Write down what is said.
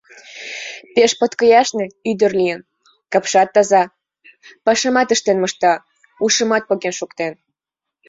Пеш подкояшне ӱдыр лийын, капшат таза, пашамат ыштен мошта, ушымат поген шуктен.